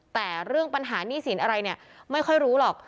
แต่เรื่องปัญหานิสินอะไรไม่ค่อยรู้หรอก